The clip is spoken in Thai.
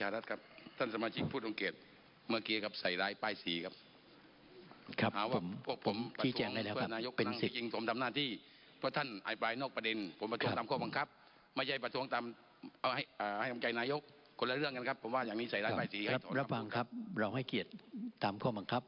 รับฟังครับเราให้เกียรติตามข้อบังคับ